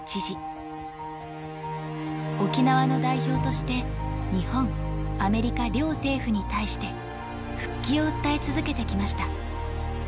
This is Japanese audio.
沖縄の代表として日本アメリカ両政府に対して復帰を訴え続けてきました。